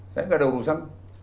saya nggak ada urusan